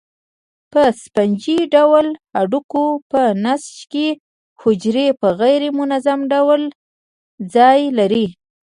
په سفنجي ډوله هډوکو په نسج کې حجرې په غیر منظم ډول ځای لري.